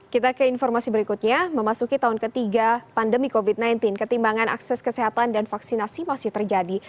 kita ke informasi berikutnya memasuki tahun ketiga pandemi covid sembilan belas ketimbangan akses kesehatan dan vaksinasi masih terjadi